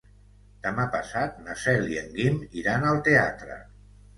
Demà passat na Cel i en Guim iran al teatre.